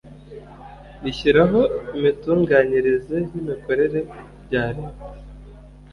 rishyiraho imitunganyirize n imikorere bya leta